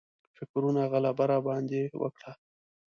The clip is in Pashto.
فکرونو غلبه راباندې وکړه.